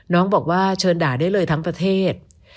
น้องบอกว่าเชิญด่าได้เลยทั้งประเทศ